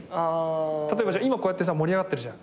例えば今こうやってさ盛り上がってるじゃん。